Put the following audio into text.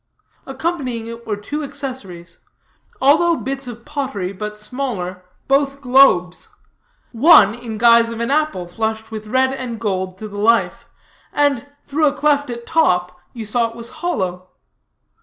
Accompanying it were two accessories, also bits of pottery, but smaller, both globes; one in guise of an apple flushed with red and gold to the life, and, through a cleft at top, you saw it was hollow.